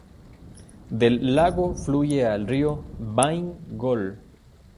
Del lago fluye el río Bain-gol.